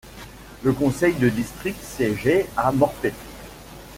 Le conseil de district siégeait à Morpeth.